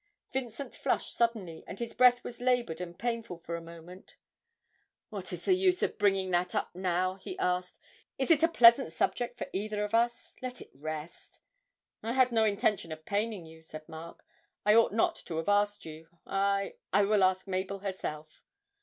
Vincent flushed suddenly, and his breath was laboured and painful for a moment. 'What is the use of bringing that up now?' he asked; 'is it a pleasant subject for either of us? Let it rest.' 'I had no intention of paining you,' said Mark, 'I ought not to have asked you. I I will ask Mabel herself.'